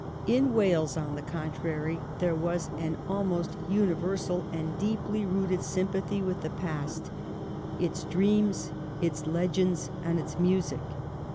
In Wales, on the contrary, there was an almost universal and deeply rooted sympathy with the past — its dreams, its legends, and its music.